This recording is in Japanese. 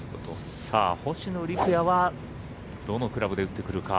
星野陸也はどのクラブで打ってくるか。